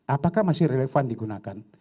apakah masih relevan digunakan